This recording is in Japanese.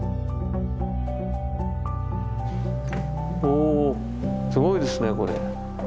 おすごいですねこれ。